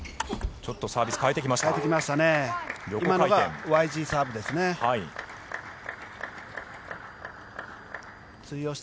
ちょっとサービスを変えてきました。